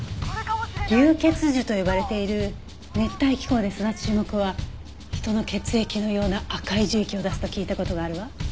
竜血樹と呼ばれている熱帯気候で育つ樹木は人の血液のような赤い樹液を出すと聞いた事があるわ。